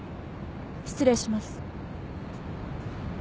失礼します。